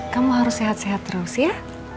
kamu harus sehat sehat terus ya